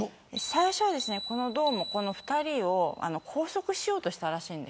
最初は、この２人を拘束しようとしたらしいんです。